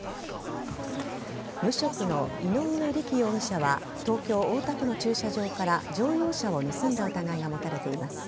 無職の井上力容疑者は東京・大田区の駐車場から乗用車を盗んだ疑いが持たれています。